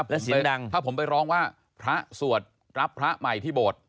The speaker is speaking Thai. แล้วเสียงดังถ้าผมไปร้องว่าพระสวดรับพระใหม่ที่โบสถ์